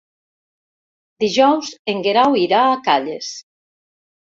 Dijous en Guerau irà a Calles.